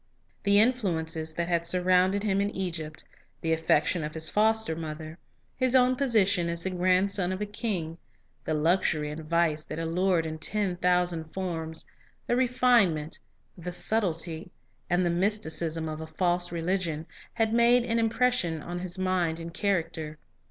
The influences that had surrounded him in Egypt, the affection of his foster mother, his own position as the grandson of the king, the luxury and vice that allured in ten thousand forms, the refinement, the sub tlety, and the mysticism of a false religion, had made an impression on his mind and character.